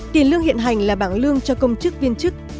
tiền lương hiện hành là bảng lương cho công chức viên chức